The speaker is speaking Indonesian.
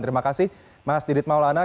terima kasih mas didit maulana